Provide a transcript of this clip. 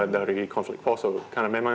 dari konflik poso karena memang